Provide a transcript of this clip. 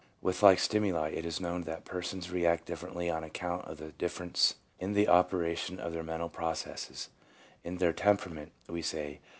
With like stimuli it is known that persons react differently on account of the difference in the opera tion of their mental processes — in their temperament, as we say.